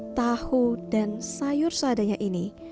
tahu dan sayur seadanya ini